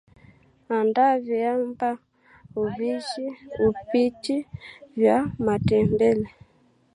andaa viamba upishi vya matembele